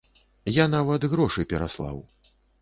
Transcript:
Я нават грошы пераслаў!